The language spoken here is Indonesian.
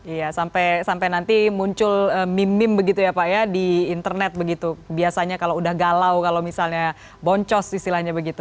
iya sampai nanti muncul meme meme begitu ya pak ya di internet begitu biasanya kalau udah galau kalau misalnya boncos istilahnya begitu